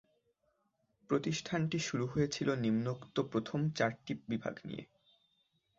প্রতিষ্ঠানটি শুরু হয়েছিল নিম্নোক্ত প্রথম চারটি বিভাগ নিয়ে।